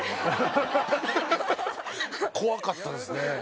怖かったですね